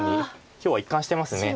今日は一貫してます。